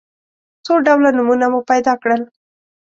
څو ډوله نومونه مو پیدا کړل.